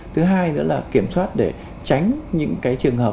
thứ hai nữa là kiểm soát để tránh những cái trường hợp